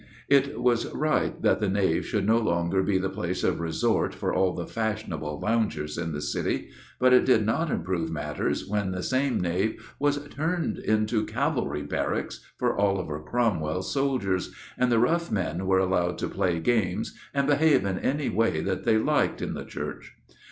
It was right that the nave should no longer be the place of resort for all the fashionable loungers in the city; but it did not improve matters when the same nave was turned into cavalry barracks for Oliver Cromwell's soldiers, and the rough men were allowed to play games and behave in any way that they liked in the church.